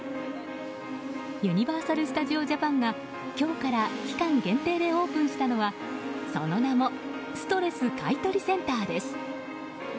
ユニバーサル・スタジオ・ジャパンが今日から期間限定でオープンしたのは、その名もストレス買取センターです。